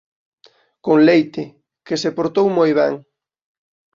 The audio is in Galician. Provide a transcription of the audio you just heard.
con leite, que se portou moi ben.